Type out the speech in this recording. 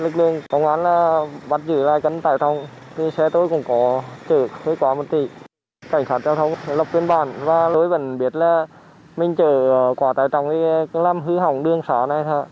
cảnh sát giao thông lập biên bản và tôi vẫn biết là mình chở quả tải trọng đi làm hư hỏng đường xóa này thôi